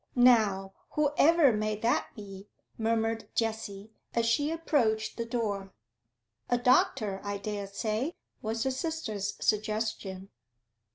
'Now, who ever may that be?' murmured Jessie, as she approached the door. 'A doctor, I dare say,' was her sister's suggestion.